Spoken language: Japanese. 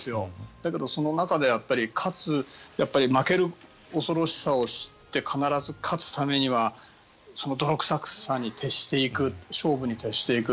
だけど、その中で負ける恐ろしさを知って必ず勝つためには泥臭さに徹していく勝負に徹していく。